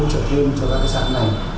hỗ trợ thêm cho các xã hội này